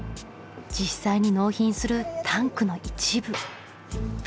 実際に納品するタンクの一部。